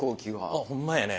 あっほんまやね。